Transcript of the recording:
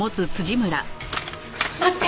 待って！